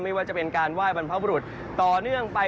ไม่ว่าจะเป็นการไหว้บรรพบุรุษต่อเนื่องไป